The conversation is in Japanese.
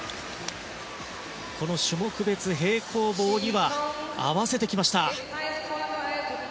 この種目別、平行棒には合わせてきました。